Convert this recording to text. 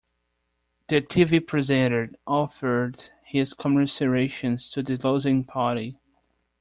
The Tv presenter offered his commiserations to the losing party.